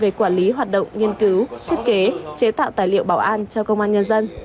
về quản lý hoạt động nghiên cứu xuất chế kế chế tạo tài liệu bảo an cho công an nhân dân